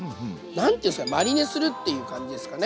何て言うんすかマリネするっていう感じですかね。